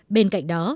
bên cạnh đó